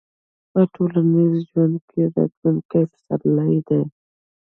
په ټولنیز ژوند کې راتلونکي پسرلي دي.